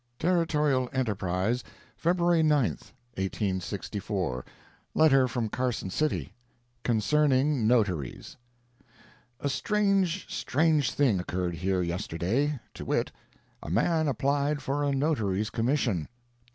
Territorial Enterprise, February 9, 1864 Letter from Carson City CONCERNING NOTARIES A strange, strange thing occurred here yesterday, to wit: A MAN APPLIED FOR A NOTARY'S COMMISSION.